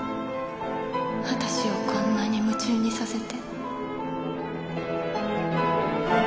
私をこんなに夢中にさせて。